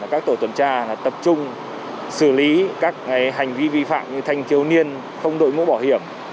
các tổ tuần tra tập trung xử lý các hành vi vi phạm như thanh thiếu niên không đội mũ bảo hiểm